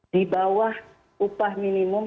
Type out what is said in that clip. di bawah upah minimum